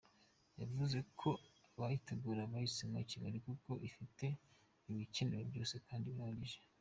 Yavuze ko ‘‘Abayitegura bahisemo Kigali kuko ifite ibikenewe byose kandi bihagije.